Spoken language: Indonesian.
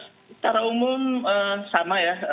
secara umum sama ya